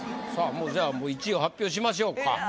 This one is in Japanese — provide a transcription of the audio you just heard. もうじゃあ１位を発表しましょうか。